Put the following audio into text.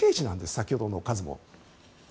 先ほどの数も。